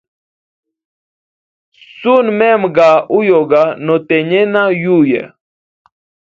Suna mema ga uyoga notegnena yuya.